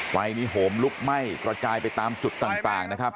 ไฟนี้โหมลุกไหม้กระจายไปตามจุดต่างนะครับ